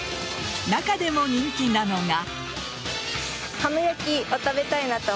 中でも人気なのが。